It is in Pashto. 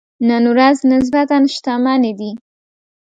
نن ورځ نسبتاً شتمنې دي.